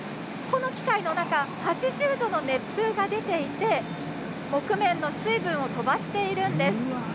この機械の中８０度の熱風が出ていて木毛の水分を飛ばしているんです。